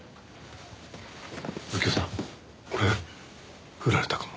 右京さん俺振られたかも。